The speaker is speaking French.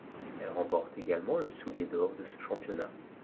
Elle remporte également le soulier d'or de ce championnat.